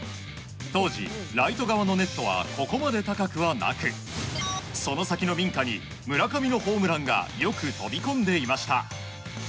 当時、ライト側のネットはここまで高くはなくその先の民家に村上のホームランがよく飛び込んでいました。